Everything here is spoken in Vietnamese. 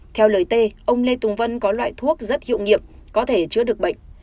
theo lời tê ông lê tùng vân có loại thuốc rất hiệu nghiệp có thể chữa được bệnh